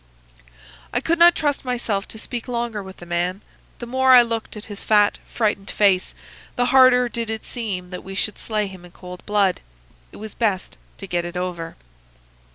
"I could not trust myself to speak longer with the man. The more I looked at his fat, frightened face, the harder did it seem that we should slay him in cold blood. It was best to get it over.